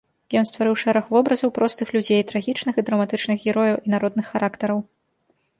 Ён стварыў шэраг вобразаў простых людзей, трагічных і драматычных герояў і народных характараў.